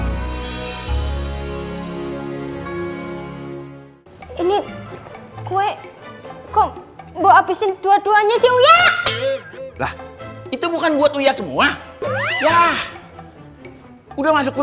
hai ini kue kok bo abisin dua duanya siu ya lah itu bukan buat uya semua ya udah masuk